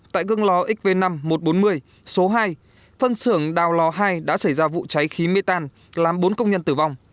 tại gương lò xv năm một trăm bốn mươi số hai phân xưởng đào lò hai đã xảy ra vụ cháy khí mê tan làm bốn công nhân tử vong